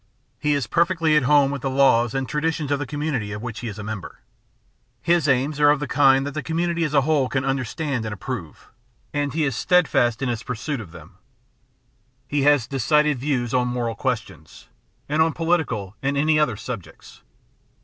He is perfectly at home with the laws and traditions of the community of which he is a member. His aims are of the kind that the community as a whole can understand and approve, and he is steadfast in his VOL. n — 17 554 The Outline of Science pursuit of them. He has decided views on moral questions, and on political and any other subjects.